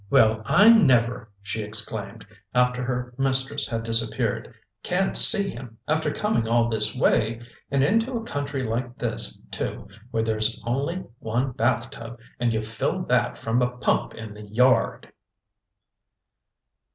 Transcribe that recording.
"Well, I never!" she exclaimed, after her mistress had disappeared. "Can't see him, after coming all this way! And into a country like this, too, where there's only one bath tub, and you fill that from a pump in the yard!"